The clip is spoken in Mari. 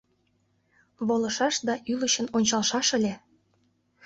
Волышаш да ӱлычын ончалшаш ыле.